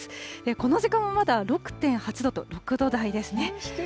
この時間はまだ６．８度と、６度台ですね。